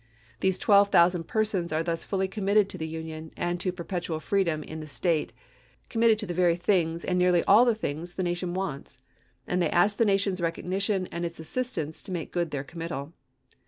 These twelve thousand persons are thus fully committed to the Union and to perpet ual freedom in the State — committed to the very things, and nearly all the things, the nation wants — and they ask the nation's recognition and its assist ance to make good their committal.